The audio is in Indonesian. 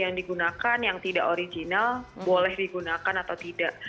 yang digunakan yang tidak original boleh digunakan atau tidak